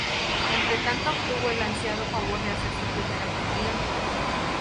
Entretanto obtuvo el ansiado favor de hacer su primera comunión.